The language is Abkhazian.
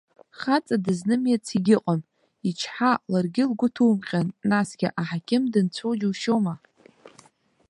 Хаҵа дызнымиац егьыҟам, ичҳа, ларгьы лгәы ҭумҟьан, насгьы аҳақьым дынцәоу џьушьома?!